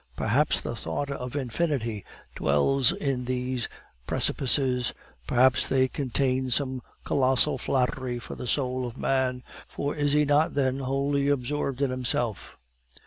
Perhaps the thought of Infinity dwells in these precipices, perhaps they contain some colossal flattery for the soul of man; for is he not, then, wholly absorbed in himself?